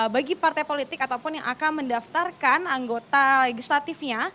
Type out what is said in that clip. bagi partai politik ataupun yang akan mendaftarkan anggota legislatifnya